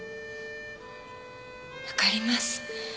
分かります。